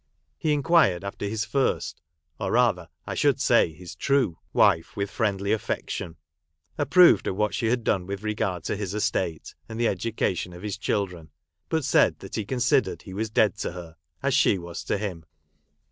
He inquired after his first (or rather, I should say, his true) wife with friendly affection ; approved of what she had done with regard to his estate, and the education of his children ; but said that he considered he was dead to her, as she was to him.